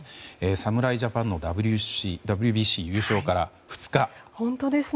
侍ジャパンのＷＢＣ優勝から２日。